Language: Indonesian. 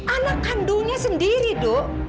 anak kandungnya sendiri do